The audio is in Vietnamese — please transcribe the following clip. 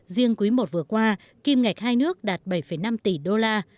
riêng quý i vừa qua kim ngạch hai nước đạt bảy năm tỷ đô la